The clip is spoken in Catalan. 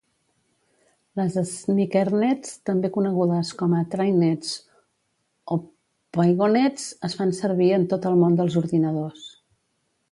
Les sneakernets, també conegudes com a "trainnets" o "pigeonets", es fan servir en tot el món dels ordinadors.